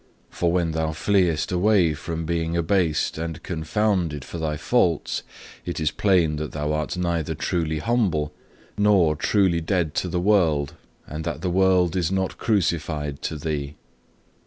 For when thou fleest away from being abased and confounded for thy faults, it is plain that thou art neither truly humble nor truly dead to the world, and that the world is not crucified to thee.